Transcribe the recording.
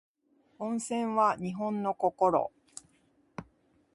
温泉は日本の心